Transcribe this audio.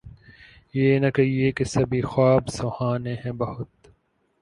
یہ نہ کہیے کہ سبھی خواب سہانے ہیں بہت